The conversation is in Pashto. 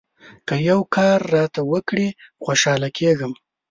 که یو کار راته وکړې ، خوشاله کېږم.